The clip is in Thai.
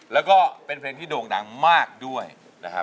แล้วก็เป็นเพลงที่โด่งดังมากด้วยนะครับ